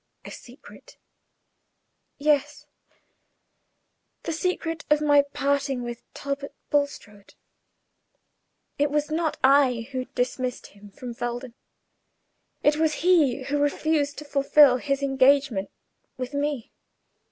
"A secret?" "Yes; the secret of my parting with Talbot Bulstrode. It was not I who dismissed him from Felden; it was he who refused to fulfil his engagement with me."